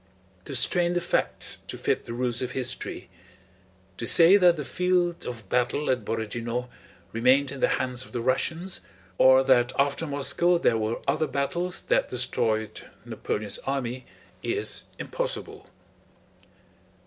To strain the facts to fit the rules of history: to say that the field of battle at Borodinó remained in the hands of the Russians, or that after Moscow there were other battles that destroyed Napoleon's army, is impossible.